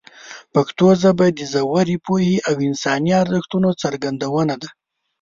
پښتو ژبه د ژورې پوهې او انساني ارزښتونو څرګندونه ده.